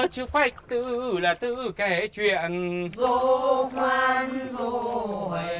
chữ phách tư là tư kể chuyện dô khoan dô hầy